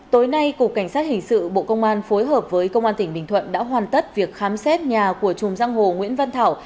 tối nay cục cảnh sát hình sự bộ công an phối hợp với công an tỉnh bình thuận đã hoàn tất việc khám xét nhà của chùm giang hồ nguyễn văn thảo